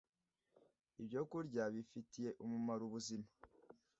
ibyokurya bifitiye umumaro ubuzima,